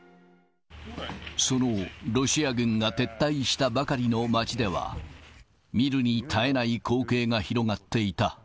そのロシア軍が撤退したばかりの街では、見るに堪えない光景が広がっていた。